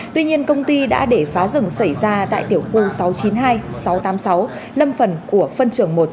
tuy nhiên công ty đã để phá rừng xảy ra tại tiểu khu sáu trăm chín mươi hai sáu trăm tám mươi sáu lâm phần của phân trường một